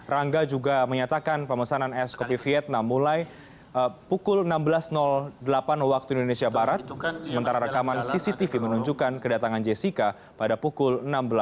rangga juga menyatakan pemesanan es kopi vietnam mulai pukul enam belas delapan waktu indonesia barat sementara rekaman cctv menunjukkan kedatangan jessica pada pukul enam belas